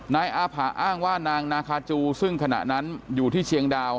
นายอาผะอ้างว่านางนาคาจูซึ่งขณะนั้นอยู่ที่เชียงดาว